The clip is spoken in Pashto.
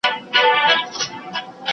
هغه خوب مي ریشتیا کیږي چي تعبیر مي اورېدلی